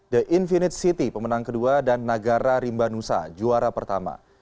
the infinity city pemenang kedua dan nagara rimba nusa juara pertama